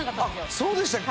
そうでしたっけ